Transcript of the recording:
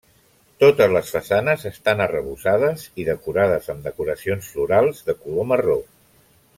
Totes les façanes estan arrebossades i decorades amb decoracions florals de color marró.